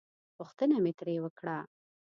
پوښتنه مې ترې وکړه.